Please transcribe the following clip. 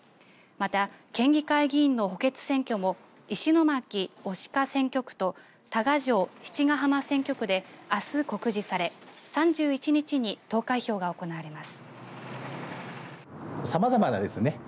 また県議会議員の補欠選挙も石巻・牡鹿選挙区と多賀城・七ヶ浜選挙区であす告示され３１日に投開票が行われます。